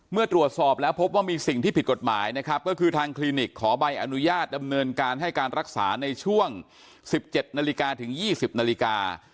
เมื่อตรวจสอบแล้วพบว่ามีสิ่งที่ผิดกฎหมายนะครับก็คือทางคลินิกขอใบอนุญาตดำเนินการให้การรักษาในช่วง๑๗นาฬิกาถึง๒๐นาฬิกา